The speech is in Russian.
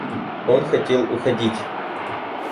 Он хотел уходить.